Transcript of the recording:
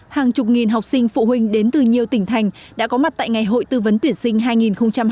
hàng chục nghìn học sinh phụ huynh đến từ nhiều tỉnh thành đã có mặt tại ngày hội tư vấn tuyển sinh hai nghìn hai mươi